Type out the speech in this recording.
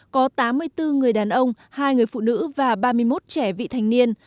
có tám mươi bốn người đàn ông hai người phụ nữ và ba mươi một trẻ vị thành niên